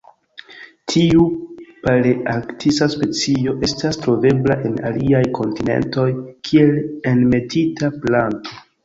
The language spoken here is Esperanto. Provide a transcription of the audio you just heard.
Tiu palearktisa specio estas trovebla en aliaj kontinentoj kiel enmetita planto.